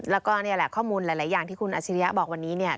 แล้วก็นี่แหละข้อมูลหลายอย่างที่คุณอาชิริยะบอกวันนี้